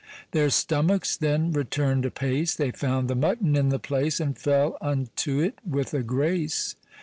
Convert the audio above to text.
Their stomachs then return'd apace, They found the mutton in the place, And fell unto it with a grace.